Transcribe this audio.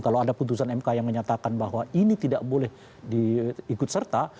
kalau ada putusan mk yang menyatakan bahwa ini tidak boleh diikut serta